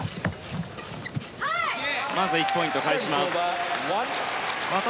まず１ポイントを返しました。